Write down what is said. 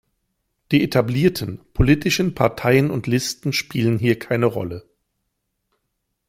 Die etablierten politischen Parteien und Listen spielen hier keine Rolle.